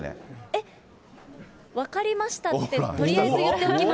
えっ、分かりましたってとりあえず言っておきます。